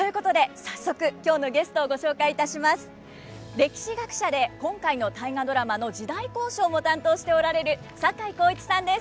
歴史学者で今回の「大河ドラマ」の時代考証も担当しておられる坂井孝一さんです。